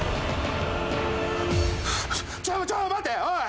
ちょっちょっと待っておい！